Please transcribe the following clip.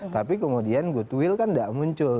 tapi kemudian goodwill kan tidak muncul